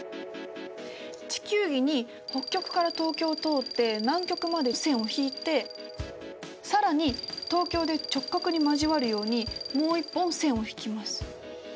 地球儀に北極から東京を通って南極まで線を引いて更に東京で直角に交わるようにもう一本線を引きます。